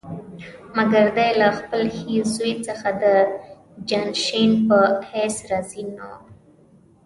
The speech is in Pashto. مګر دی له خپل هېڅ زوی څخه د جانشین په حیث راضي نه وو.